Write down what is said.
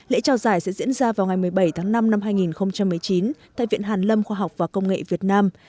lễ trao giải sẽ diễn ra vào ngày một mươi bảy tháng năm năm hai nghìn một mươi chín tại viện hàn lâm khoa học và công nghệ việt nam